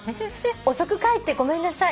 「『遅く帰ってごめんなさい』